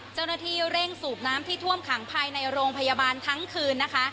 เจ้าหน้าที่เร่งสูบน้ำที่ท่วมขังภายในโรงพยาบาลทั้งคืนนะคะ